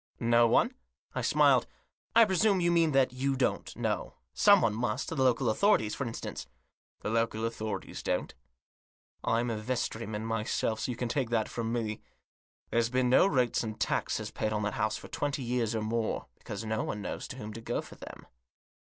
" No one ?" I smiled. " I presume you mean that you don't know. Someone must ; the local authorities, for instance." "The local authorities don't. I'm a vestryman myself, so you can take that from me. There's been no rates and taxes paid on that house for twenty years or more ; because no one knows to whom to go for them."